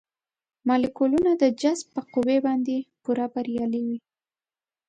مالیکولونه د جذب پر قوې باندې پوره بریالي وي.